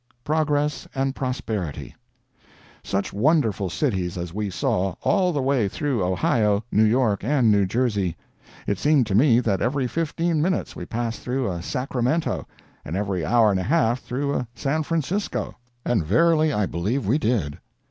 PROGRESS AND PROSPERITY Such wonderful cities as we saw, all the way through Ohio, New York and New Jersey. It seemed to me that every fifteen minutes we passed through a Sacramento, and every hour and a half through a San Francisco—and verily I believe we did.